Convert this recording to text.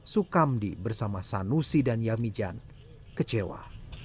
sukamdi bersama sanusi dan yamijan kecewa